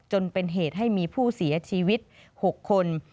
จนเป็นเหตุให้มีผู้เสียชีวิต๖คน